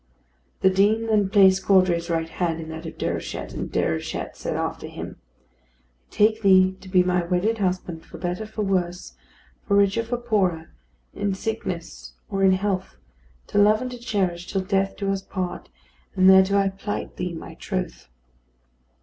The Dean then placed Caudray's right hand in that of Déruchette, and Déruchette said after him: "I take thee to be my wedded husband for better for worse, for richer for poorer, in sickness or in health, to love and to cherish till death do us part; and thereto I plight thee my troth."